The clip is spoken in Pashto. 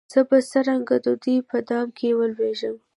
زه به څرنګه د دوی په دام کي لوېږم